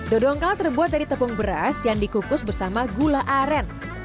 dodongkal terbuat dari tepung beras yang dikukus bersama gula aren